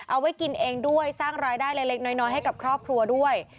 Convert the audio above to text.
เอาไว้กินเองด้วยสร้างรายได้เล็กน้อยให้กับครอบครัวด้วย